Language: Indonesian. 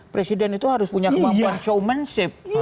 presiden itu harus punya kemampuan showmanship